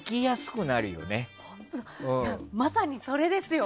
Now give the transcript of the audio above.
まさにそれですよ。